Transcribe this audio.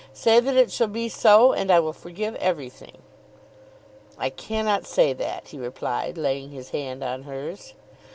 Say that it shall be so, and I will forgive everything." "I cannot say that," he replied, laying his hand in hers.